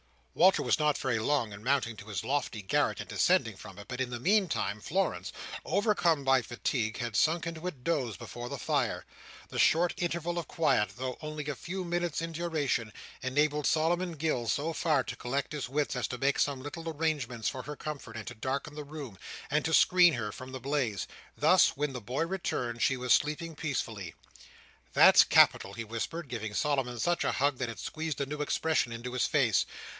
Walter was not very long in mounting to his lofty garret and descending from it, but in the meantime Florence, overcome by fatigue, had sunk into a doze before the fire. The short interval of quiet, though only a few minutes in duration, enabled Solomon Gills so far to collect his wits as to make some little arrangements for her comfort, and to darken the room, and to screen her from the blaze. Thus, when the boy returned, she was sleeping peacefully. "That's capital!" he whispered, giving Solomon such a hug that it squeezed a new expression into his face.